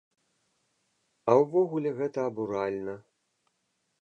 А ўвогуле, гэта абуральна.